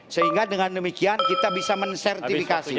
sehingga dengan demikian kita bisa mensertifikasi